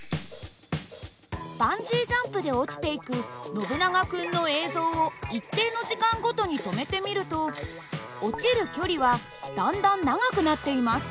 バンジージャンプで落ちていくノブナガ君の映像を一定の時間ごとに止めてみると落ちる距離はだんだん長くなっています。